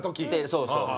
そうそう。